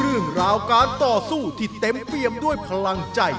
เรื่องราวการต่อสู้ที่เต็มเปรียมด้วยพลังใจ